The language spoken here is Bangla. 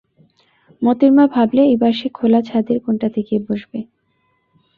মোতির মা ভাবলে এইবার সে খোলা ছাদের কোণটাতে গিয়ে বসবে।